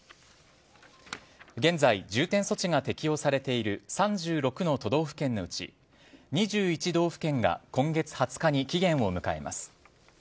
現在、重点措置が適用されている３６の都道府県のうち２１道府県が今月２０日に期限を迎えます。